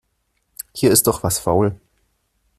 Hier ist doch etwas faul.